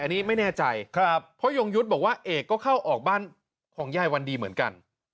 อันนี้ไม่แน่ใจเพราะยงยุทธ์บอกว่าเอกก็เข้าออกบ้านของยายวันดีเหมือนกัน